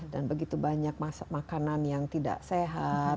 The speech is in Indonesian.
begitu banyak makanan yang tidak sehat